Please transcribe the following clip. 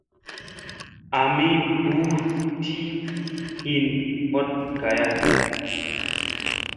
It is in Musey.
A mi buu ti, hin hot gaya.